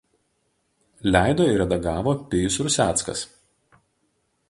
Leido ir redagavo Pijus Ruseckas.